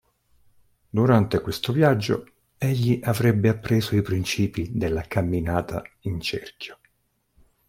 Durante questo viaggio egli avrebbe appreso i principi della Camminata in Cerchio.